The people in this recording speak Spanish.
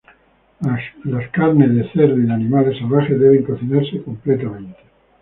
Las carnes de cerdo y de animales salvajes deben cocinarse completamente.